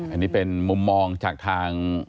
อันนี้เป็นมุมมองจากทาง